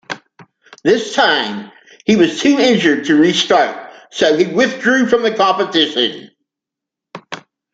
This time he was too injured to restart, so he withdrew from the competition.